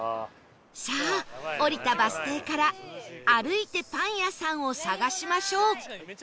さあ降りたバス停から歩いてパン屋さんを探しましょう